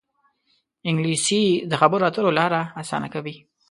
انګلیسي د خبرو اترو لاره اسانه کوي